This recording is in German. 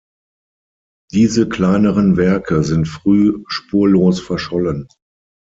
Diese kleineren Werke sind früh spurlos verschollen.